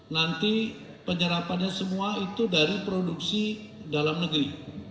nanti penyerapannya semua itu dari produksi dalam negeri